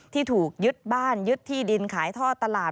ที่ถูกยึดบ้านยึดที่ดินขายท่อตลาด